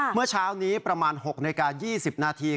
เมื่อเช้านี้ประมาณ๖นาฬิกา๒๐นาที